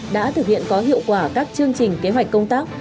đã thực hiện có hiệu quả các chương trình kế hoạch công tác